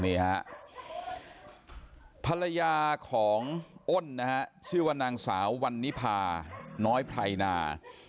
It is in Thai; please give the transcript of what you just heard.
นี่ฮะภรรยาของอ้นนะฮะชื่อว่านางสาววันนิพาน้อยไพรนา